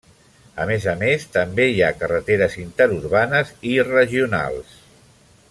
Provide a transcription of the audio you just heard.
A més a més, també hi ha carreteres interurbanes i regionals.